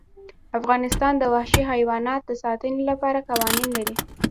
افغانستان د وحشي حیوانات د ساتنې لپاره قوانین لري.